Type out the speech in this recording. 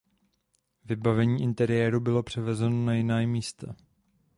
Vybavení interiéru bylo převezeno na jiná místa.